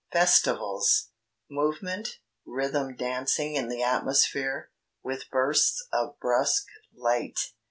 "Festivals: Movement, rhythm dancing in the atmosphere, with bursts of brusque light.